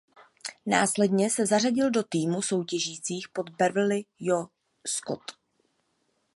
Následně se zařadil do týmu soutěžících pod Beverly Jo Scott.